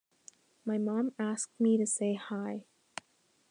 My mom asked me to say hi.